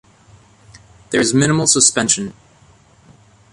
There is a minimal suspension.